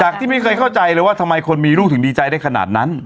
ที่ไม่เคยเข้าใจเลยว่าทำไมคนมีลูกถึงดีใจได้ขนาดนั้น